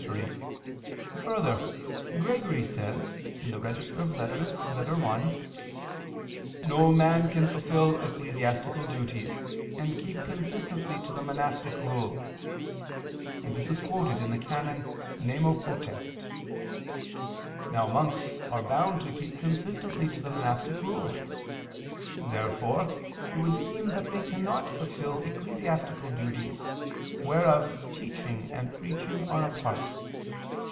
3: Further, Gregory says (Regist. v, Ep. 1): "No man can fulfil ecclesiastical duties, and keep consistently to the monastic rule": and this is quoted XVI, qu. i, can. Nemo potest. Now monks are bound to keep consistently to the monastic rule. Therefore it would seem that they cannot fulfil ecclesiastical duties, whereof teaching and preaching are a part.